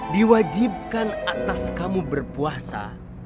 diwajibkan atas kamu berpuasa